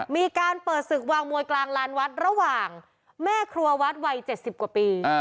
มีการเปิดศึกวางมวยกลางลานวัดระหว่างแม่ครัววัดวัย๗๐กว่าปี